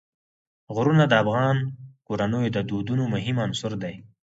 غرونه د افغان کورنیو د دودونو مهم عنصر دی.